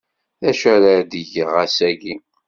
D acu ara ɣ-d-yeg ass-agi?